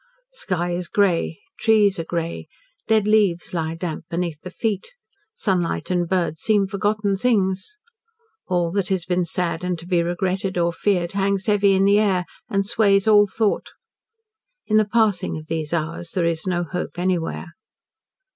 Sky is grey, trees are grey, dead leaves lie damp beneath the feet, sunlight and birds seem forgotten things. All that has been sad and to be regretted or feared hangs heavy in the air and sways all thought. In the passing of these hours there is no hope anywhere.